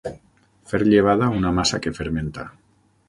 Fer llevada una massa que fermenta.